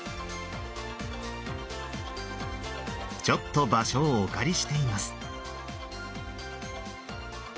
ちょっと場所をお借りしています。